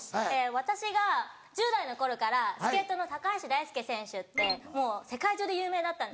私が１０代の頃からスケートの高橋大輔選手ってもう世界中で有名だったんですよね。